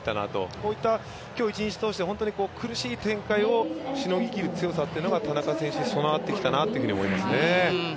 こういった今日一日通して、苦しい展開をしのぎきることが田中選手に備わってきたなと思いますね。